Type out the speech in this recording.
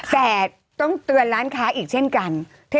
แต่ต้องเตือนร้านค้าอีกเช่นกัน